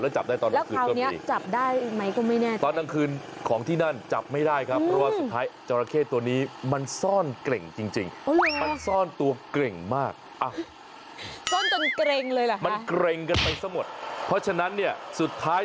แล้วจับได้ตอนตั้งคืนก็มีแล้วคราวนี้จับได้ไหมก็ไม่แน่ใจ